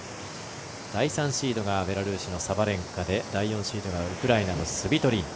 第３シードがベラルーシのサバレンカで第４シードがウクライナの選手。